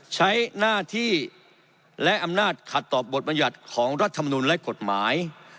ใช้หน้าที่และอำนาจขัดต่อบทบรรยัติของรัฐมนุนและกฎหมาย